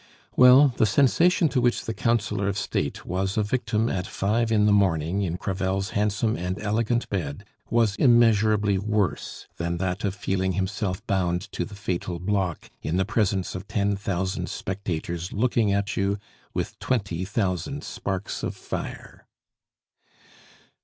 Well, the sensation to which the Councillor of State was a victim at five in the morning in Crevel's handsome and elegant bed, was immeasurably worse than that of feeling himself bound to the fatal block in the presence of ten thousand spectators looking at you with twenty thousand sparks of fire.